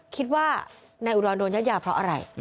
คิดว่านายอุดรโดนยัดยาเพราะอะไร